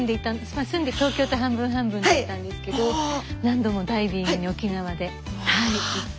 まあ住んで東京と半分半分だったんですけど何度もダイビングに沖縄で行って。